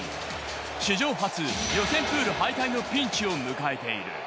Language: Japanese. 史上初、予選プール敗退のピンチを迎えている。